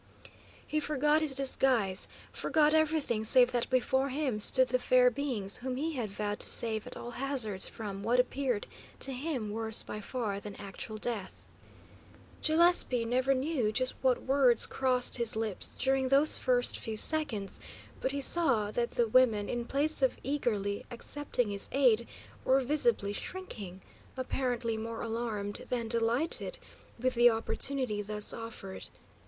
He forgot his disguise, forgot everything save that before him stood the fair beings whom he had vowed to save at all hazards from what appeared to him worse by far than actual death. Gillespie never knew just what words crossed his lips during those first few seconds, but he saw that the women, in place of eagerly accepting his aid, were visibly shrinking, apparently more alarmed than delighted with the opportunity thus offered.